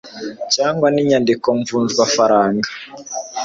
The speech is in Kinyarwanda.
cyangwa z inyandiko mvunjwafaranga